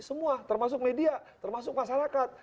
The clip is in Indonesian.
semua termasuk media termasuk masyarakat